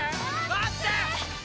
待ってー！